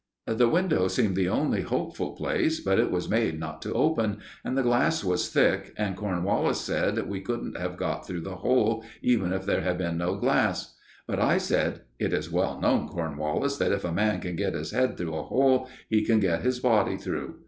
The window seemed the only hopeful place; but it was made not to open, and the glass was thick, and Cornwallis said we couldn't have got through the hole, even if there had been no glass. But I said: "It is well known, Cornwallis, that if a man can get his head through a hole, he can get his body through."